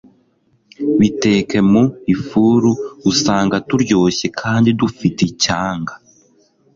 Biteke mu ifuru Usanga turyoshye kandi dufite icyanga